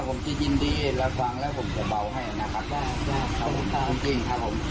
ผมจะยินดีแล้วฟังแล้วผมจะเบาให้นะครับได้ได้ครับผมจริงครับผม